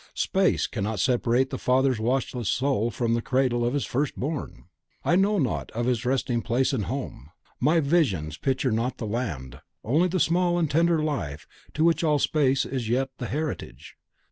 Space cannot separate the father's watchful soul from the cradle of his first born! I know not of its resting place and home, my visions picture not the land, only the small and tender life to which all space is as yet the heritage!